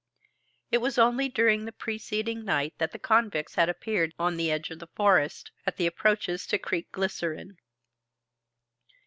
It was only during the preceding night that the convicts had appeared on the edge of the forest, at the approaches to Creek Glycerine.